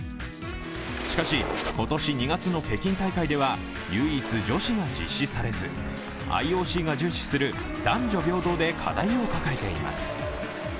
しかし、今年２月の北京大会では唯一女子が実施されず、ＩＯＣが重視する男女平等で課題を抱えています。